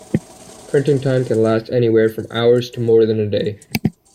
Printing time can last anywhere from hours to more than a day.